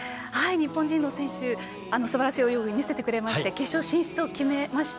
日本人の選手、すばらしい泳ぎを見せてくれまして決勝進出を決めました